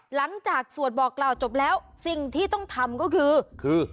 สวดบอกกล่าวจบแล้วสิ่งที่ต้องทำก็คือคือ